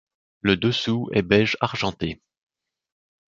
Le dessous est beige argenté.